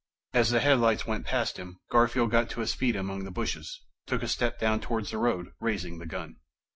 As the headlights went past him, Garfield got to his feet among the bushes, took a step down towards the road, raising the gun.